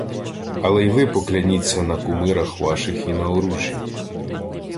— Але й ви покляніться на кумирах ваших і на оружжі.